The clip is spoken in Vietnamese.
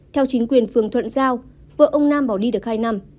theo chính quyền phường thuận giao vợ ông nam bỏ đi được hai năm